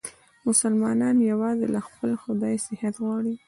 مسلمانان یووازې له خپل خدایه صحت غواړي.